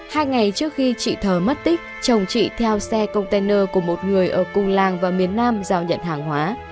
hai ngày trước khi chị thờ mất tích chồng chị theo xe container của một người ở cùng làng và miền nam giao nhận hàng hóa